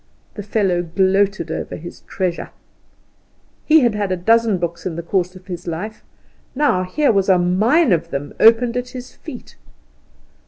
The fellow gloated over his treasure. He had had a dozen books in the course of his life; now here was a mine of them opened at his feet.